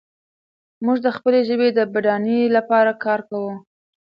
موږ د خپلې ژبې د بډاینې لپاره کار کوو.